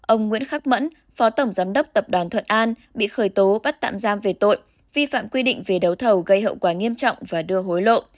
ông nguyễn khắc mẫn phó tổng giám đốc tập đoàn thuận an bị khởi tố bắt tạm giam về tội vi phạm quy định về đấu thầu gây hậu quả nghiêm trọng và đưa hối lộ